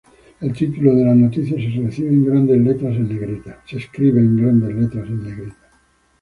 El título de la noticia se escribe en grandes letras en negrita.